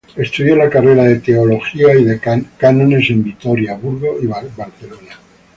Estudió la carrera de Teología y de Cánones en Vitoria, Burgos y Barcelona.